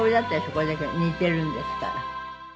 これだけ似ているんですから。